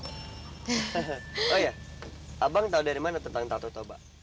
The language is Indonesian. oh ya abang tahu dari mana tentang tau toba